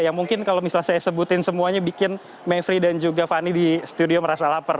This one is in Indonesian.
yang mungkin kalau misalnya saya sebutin semuanya bikin mayfrey dan juga fani di studio merasa lapar